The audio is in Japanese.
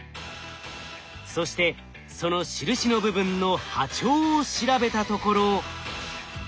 そしてその印の部分の波長を調べたところ。